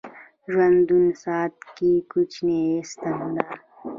ژوندون ساعت کې کوچنۍ ستن ده